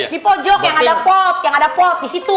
di pojok yang ada pop yang ada pop disitu